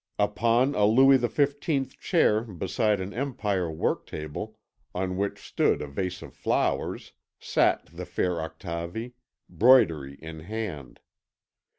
Upon a Louis XV chair beside an Empire work table on which stood a vase of flowers, sat the fair Octavie, broidery in hand.